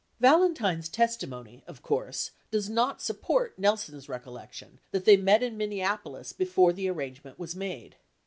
Valentine's testimony, of course, does not support Nelson's recollec tion that they met in Minneapolis before the arrangement was made.